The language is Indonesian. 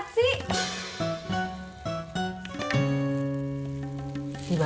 kamu mau ke rumah